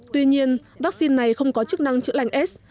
tuy nhiên vaccine này không có chức năng chữa lành s